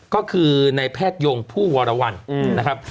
ก็คือในแพทยงผู้วรวรรณนะครับ